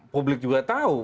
publik juga tahu